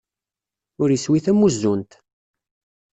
Ur iswi tamuzzunt!